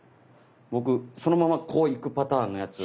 僕そのままこういくパターンのやつ